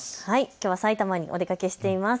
きょうは埼玉にお出かけしています。